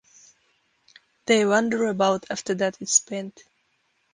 They wander about after that is spent.